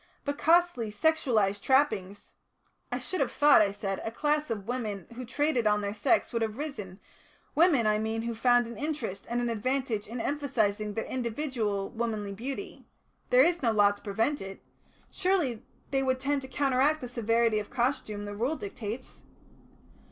But costly sexualised trappings " "I should have thought," I said, "a class of women who traded on their sex would have arisen, women, I mean, who found an interest and an advantage in emphasising their individual womanly beauty. There is no law to prevent it. Surely they would tend to counteract the severity of costume the Rule dictates."